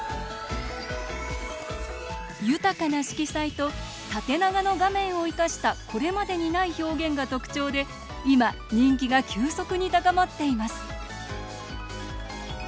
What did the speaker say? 豊かな色彩と縦長の画面を生かしたこれまでにない表現が特徴で今、人気が急速に高まっています。